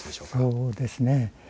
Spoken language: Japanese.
そうですね。